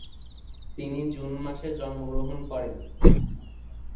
তিনি জুন মাসে জন্মগ্রহণ করেন।